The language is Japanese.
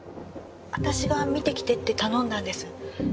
私が見てきてって頼んだんです。